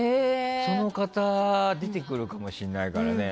その方出てくるかもしれないからね。